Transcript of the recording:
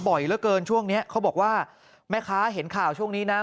เหลือเกินช่วงนี้เขาบอกว่าแม่ค้าเห็นข่าวช่วงนี้นะ